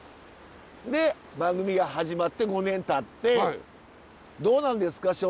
で番組が始まって５年たってどうなんですか？